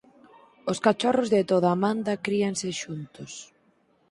Os cachorros de toda a manda críanse xuntos.